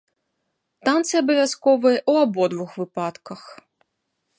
Танцы абавязковыя ў абодвух выпадках.